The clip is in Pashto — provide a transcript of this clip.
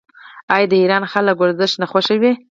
آیا د ایران خلک ورزش نه خوښوي؟